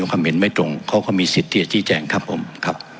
ความเห็นไม่ตรงเขาก็มีสิทธิ์ที่จะชี้แจงครับผมครับ